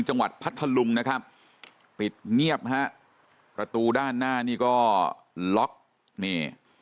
พัทธลุงนะครับปิดเงียบฮะประตูด้านหน้านี่ก็ล็อกนี่